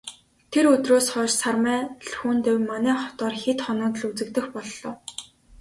Тэр өдрөөс хойш Сармай Лхүндэв манай хотоор хэд хоноод л үзэгдэх боллоо.